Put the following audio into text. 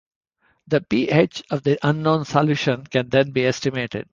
The pH of the unknown solution can then be estimated.